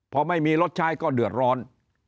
พอไม่มีรถใช้ก็เดือดร้อน